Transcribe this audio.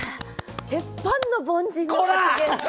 鉄板の凡人の発言です。